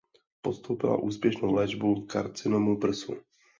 Podstoupila úspěšnou léčbu karcinomu prsu.